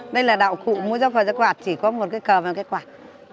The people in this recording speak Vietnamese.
đây là đạo cụ mỗi giáp phật giáp quạt chỉ có một cái cờ và một cái quạt